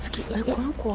この子は。